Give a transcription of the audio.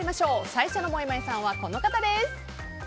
最初のもやもやさんはこの方です。